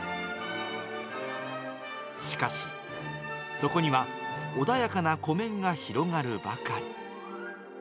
しかし、そこには穏やかな湖面が広がるばかり。